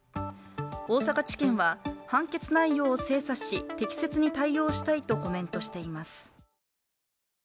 大阪地検は、判決内容を精査し適切に対応したいとコメントしています。